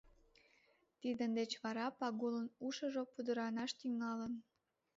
Тидын деч вара Пагулын ушыжо пудыранаш тӱҥалын.